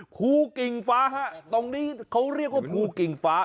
ภูกิ่งฟ้าฮะตรงนี้เขาเรียกว่าภูกิ่งฟ้า